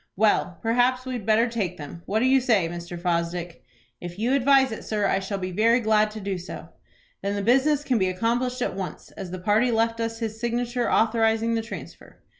"Well, perhaps we had better take them. What do you say, Mr. Fosdick?" "If you advise it, sir, I shall be very glad to do so." "Then the business can be accomplished at once, as the party left us his signature, authorizing the transfer."